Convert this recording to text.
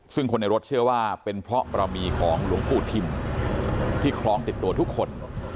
ซึ่งคนในรถเชื่อว่าเป็นเพราะประมีของหลวงปู่ทิมที่คล้องติดตัวทุกคน